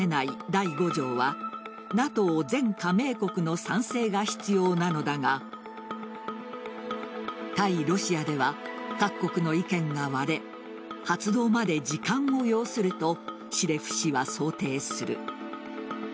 第５条はＮＡＴＯ全加盟国の賛成が必要なのだが対ロシアでは各国の意見が割れ発動まで時間を要するとシレフ氏は想定する。